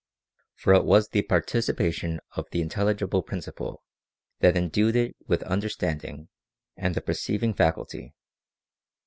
For it was the participation of the intelligible principle that endued it with understanding and the perceiving faculty.